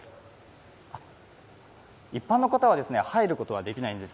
一般の方は入ることはできないんです。